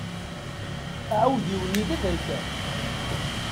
Aɛudiw-nni d aberkan.